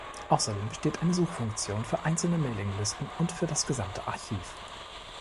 Außerdem besteht eine Suchfunktion für einzelne Mailinglisten und für das gesamte Archiv.